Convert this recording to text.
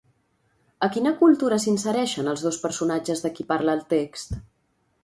A quina cultura s'insereixen els dos personatges de qui parla el text?